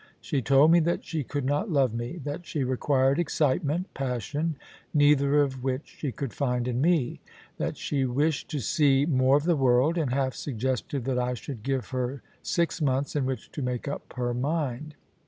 She told me that she could not love me ; that she required excitement, passion, neither of which she could find in me ; that she wished to see more of the world, and half suggested that I should give her six months in which to make up her mind.